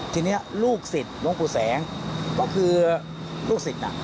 ทีนี้ลูกศิษย์หลวงปู่แสงก็คือลูกศิษย์น่ะ